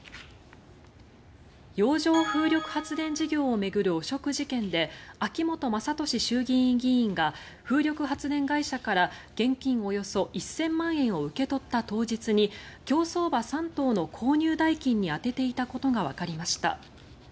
洋上風力発電事業を巡る汚職事件で秋本真利衆議院議員が風力発電会社から現金およそ１０００万円を受け取った当日に競走馬３頭の購入代金に充てていたことがわかりました。